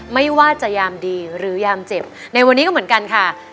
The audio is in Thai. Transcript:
ไม่ว่าจะยามดีหรือยามเจ็บในวันนี้ก็เหมือนกันค่ะ